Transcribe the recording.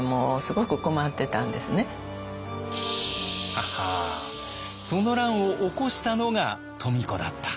ははあその乱を起こしたのが富子だった？